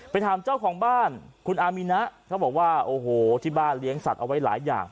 ถามเจ้าของบ้านคุณอามีนะเขาบอกว่าโอ้โหที่บ้านเลี้ยงสัตว์เอาไว้หลายอย่าง